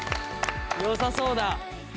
よさそうだ。